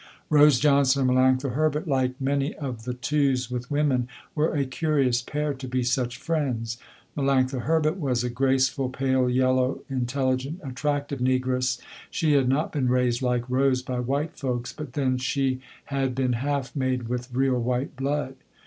Rose Johnson and Melanctha Herbert like many of the twos with women were a curious pair to be such friends. Melanctha Herbert was a graceful, pale yellow, intelligent, attractive negress. She had not been raised like Rose by white folks but then she had been half made with real white blood.